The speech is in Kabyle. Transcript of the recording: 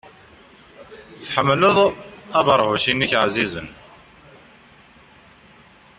Tḥemmled abeṛhuc-nnek ɛzizen?